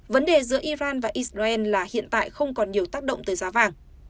vấn đề giữa iran và israel là hiện tại không còn nhiều tác động tới giá vàng